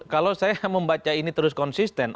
kalau saya membaca ini terus konsisten